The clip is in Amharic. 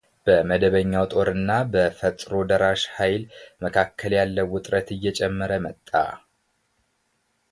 በመደበኛው ጦር እና በፈጥሮ ደራሽ ኃይሉ መካከል ያለው ውጥረት እየጨመረ መጣ።